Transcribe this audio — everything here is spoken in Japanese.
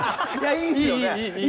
いいですよね？